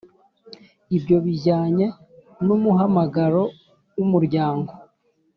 Ibyo bijyanye n’umuhamagaro w’umuryango